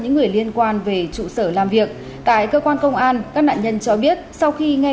những người liên quan về trụ sở làm việc tại cơ quan công an các nạn nhân cho biết sau khi nghe